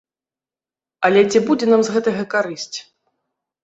Але ці будзе нам з гэтага карысць?